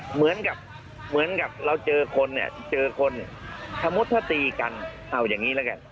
เหมือนกับเหมือนกับเราเจอคนเนี่ยเจอคนสมมุติถ้าตีกันเอาอย่างนี้แล้วกัน